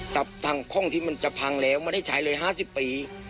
จากทั้งข้องที่มันจะพังแล้วมันได้ใช้เลย๕๐ปี